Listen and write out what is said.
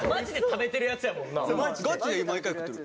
ガチで毎回食ってる。